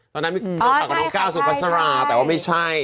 ตอนนั้นมีข่าวว่าน้องเกล้าสุปัสราแต่ว่าไม่ใช่